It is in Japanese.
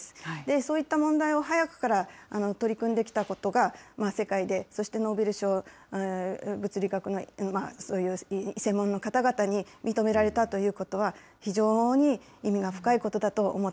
そういった問題を早くから取り組んできたことが、世界で、そしてノーベル賞物理学のそういう専門の方々に認められたということは、非常に意味が深い